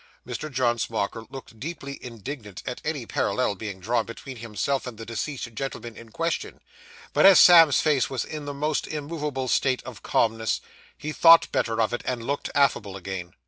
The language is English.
Mr. John Smauker looked deeply indignant at any parallel being drawn between himself and the deceased gentleman in question; but, as Sam's face was in the most immovable state of calmness, he thought better of it, and looked affable again.